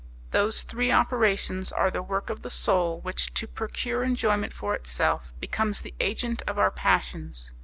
Those three operations are the work of the soul which, to procure enjoyment for itself, becomes the agent of our passions.